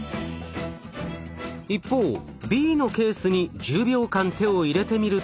一方Ｂのケースに１０秒間手を入れてみると。